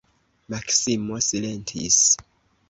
Maksimo silentis.